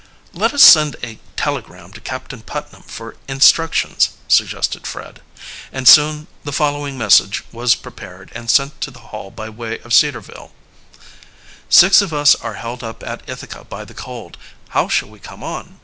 "Let us send a telegram to Captain Putnam for instructions," suggested Fred, and soon the following message was prepared and sent to the Hall by way of Cedarville: "Six of us are held up at Ithaca by the cold. How shall we come on?"